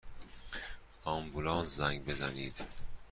آمبولانس زنگ بزنید!